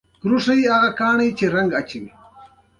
یوټوبر باید د مرکه شریک هڅوي نه سپکوي.